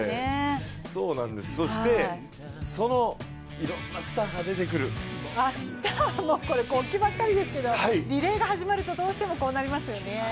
そして、いろんなスターが出てくる明日は、国旗ばかりですけどリレーが始まると、どうしてもこうなりますよね。